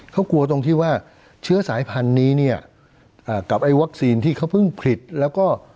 เขากลัวตรงที่ว่าเชื้อสายพันธุ์นี้เนี่ยกับไอ้วัคซีนที่เขาเพิ่งผลิตแล้วก็